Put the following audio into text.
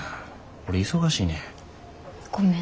俺忙しいねん。